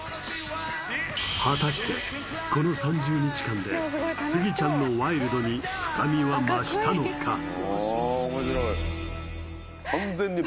果たしてこの３０日間でスギちゃんのワイルドに深みは増したのか？